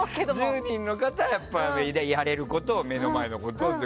１０人の方はやれること、目の前のことをね。